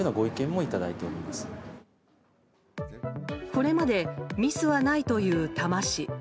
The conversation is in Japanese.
これまでミスはないという多摩市。